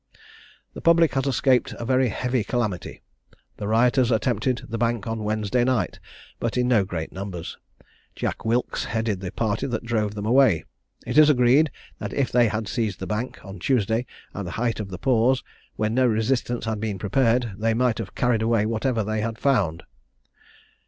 "The public has escaped a very heavy calamity. The rioters attempted the Bank on Wednesday night, but in no great numbers; Jack Wilkes headed the party that drove them away. It is agreed, that if they had seized the Bank, on Tuesday, at the height of the pause, when no resistance had been prepared, they might have carried away whatever they had found."